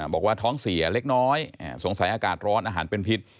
บอกว่าท้องเสียเล็กน้อยสงสัยอากาศร้อนอาหารเป็นพิษ